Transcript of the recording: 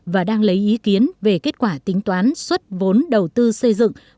và đang lấy ý kiến về kết quả tính toán xuất vốn đầu tư xây dựng